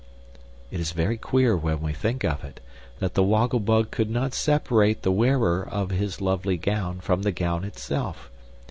It is very queer, when we think of it, that the Woggle Bug could not separate the wearer of his lovely gown from the gown itself.